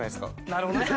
なるほどね。